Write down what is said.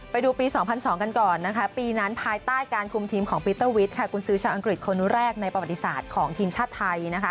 ไปดูปี๒๐๐๒กันก่อนนะคะปีนั้นภายใต้การคุมทีมของปีเตอร์วิทย์กุญซื้อชาวอังกฤษคนแรกในประวัติศาสตร์ของทีมชาติไทย